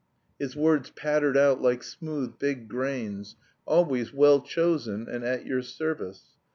His words pattered out like smooth, big grains, always well chosen, and at your service.